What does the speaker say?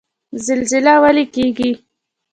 زلزله ولې کیږي؟